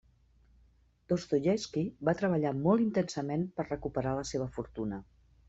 Dostoievski va treballar molt intensament per recuperar la seva fortuna.